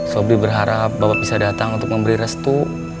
sobri berharap bapak bisa datang untuk memberi restu